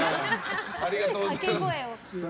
ありがとうございます。